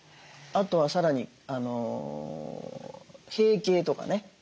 あとはさらに閉経とかね